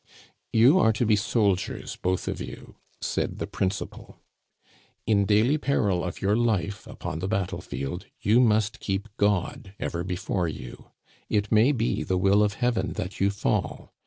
" You are to be soldiers, both of you, said the prin cipal. " In daily peril of your life upon the battle field, Digitized by VjOOQIC LEAVING COLLEGE. 17 you must keep God ever before you. It may be the will of Heaven that you fall.